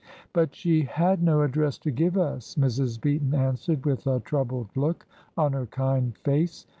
"But she had no address to give us," Mrs. Beaton answered, with a troubled look on her kind face.